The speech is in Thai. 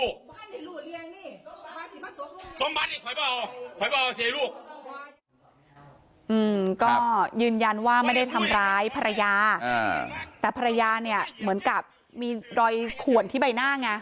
อืมก็ยืนยันว่าไม่ได้ทำร้ายภรรยาแต่ภรรยาเนี่ยเหมือนกับมีรอยขวนที่ใบหน้าไง